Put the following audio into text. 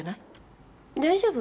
大丈夫。